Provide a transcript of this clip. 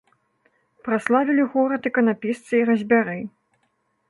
Праславілі горад іканапісцы і разьбяры.